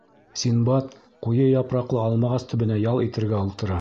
Синдбад ҡуйы япраҡлы алмағас төбөнә ял итергә ултыра.